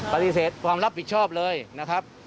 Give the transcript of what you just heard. ปฏิเสธความรับผิดชอบเลยนะครับ